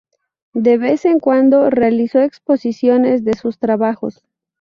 De vez en cuando realizó exposiciones de sus trabajos.